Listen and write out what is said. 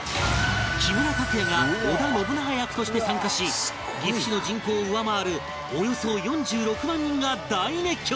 木村拓哉が織田信長役として参加し岐阜市の人口を上回るおよそ４６万人が大熱狂！